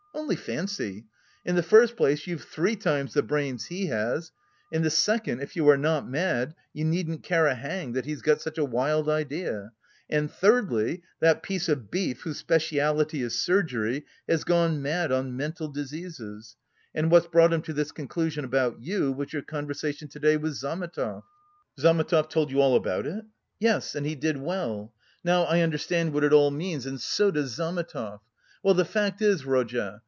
Only fancy! In the first place, you've three times the brains he has; in the second, if you are not mad, you needn't care a hang that he has got such a wild idea; and thirdly, that piece of beef whose specialty is surgery has gone mad on mental diseases, and what's brought him to this conclusion about you was your conversation to day with Zametov." "Zametov told you all about it?" "Yes, and he did well. Now I understand what it all means and so does Zametov.... Well, the fact is, Rodya...